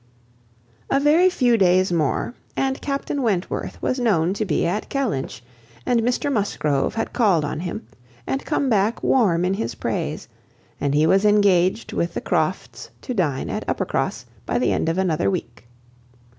A very few days more, and Captain Wentworth was known to be at Kellynch, and Mr Musgrove had called on him, and come back warm in his praise, and he was engaged with the Crofts to dine at Uppercross, by the end of another week.